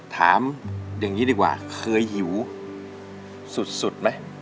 ถามอย่างนี้ดีกว่าเคยหิวสุดไหม